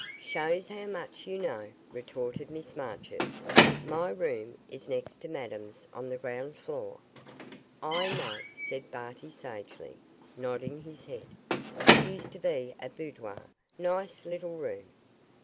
'Shows how much you know,' retorted Miss Marchurst. 'My room is next to Madame's on the ground floor.' 'I know,' said Barty, sagely, nodding his head. 'It used to be a boudoir nice little room.